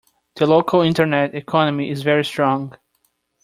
The local internet economy is very strong.